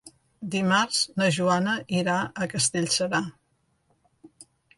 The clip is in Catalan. Dimarts na Joana irà a Castellserà.